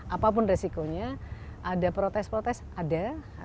apapun resikonya ada protes protes ada